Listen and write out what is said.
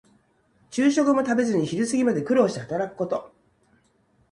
昼食も食べずに昼過ぎまで苦労して働くこと。